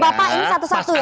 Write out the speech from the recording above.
bapak bapak ini satu satunya